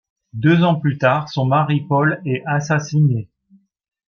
Deux ans plus tard, son mari Paul est assassiné.